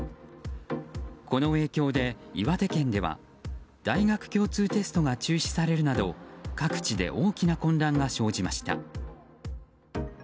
この影響で、岩手県では大学共通テストが中止されるなど各地で大きな混乱が生じました。